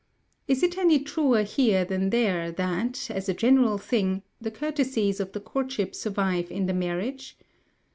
Is it any truer here than there that, as a general thing, the courtesies of the courtship survive in the marriage?